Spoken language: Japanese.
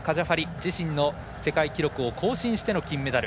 自身の世界記録を更新しての金メダル。